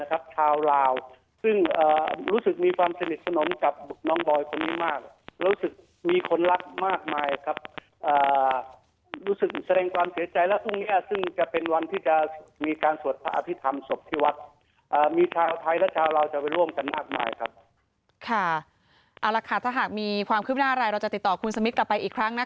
เข้ามาค่ะอาเล่านี่ความคุ้มหน้าอะไรเราจะติดต่อคุณกับไปอีกครั้งนะ